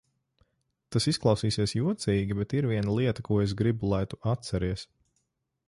Tas izklausīsies jocīgi, bet ir viena lieta, ko es gribu, lai tu atceries.